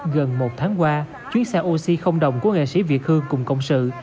gần một tháng qua chuyến xe oxy không đồng của nghệ sĩ việt hương cùng công sự